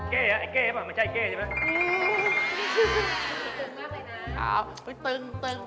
เก้บ่ไอ้เก้บ่น่ะฉ่ายเก้บ่ใช่ไหม